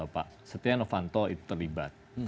pak setia novanto itu terlibat